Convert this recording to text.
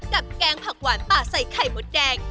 แกงผักหวานป่าใส่ไข่มดแดง